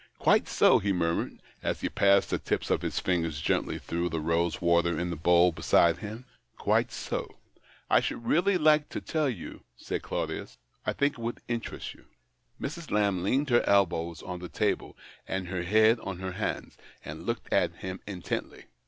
" Quite so," he murmured, as he passed the tips of his fingers gently through the rose water in the bowl beside him. " Quite so." " I should really like to tell you," said Claudius. " I think it would interest you." Mrs. Lamb leant her elbows on the table, and her head on her hands, and looked at him intently.